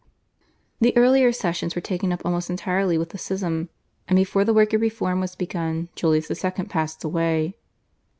The earlier sessions were taken up almost entirely with the schism, and before the work of reform was begun Julius II. passed away.